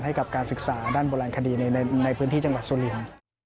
ให้กับการศึกษาด้านโบราณคดีในพื้นที่จังหวัดสุรินทร์